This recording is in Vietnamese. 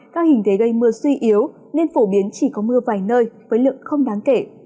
các hình thế gây mưa suy yếu nên phổ biến chỉ có mưa vài nơi với lượng không đáng kể